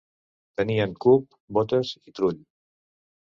Tenien cup, bótes i trull.